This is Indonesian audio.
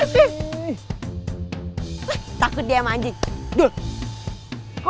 anjing takut dia manig dulu kau output dan belum